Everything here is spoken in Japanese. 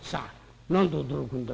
「何で驚くんだ？